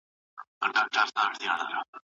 خیبره! ها چاړه چې د پښتون ټټر کې زنګ ده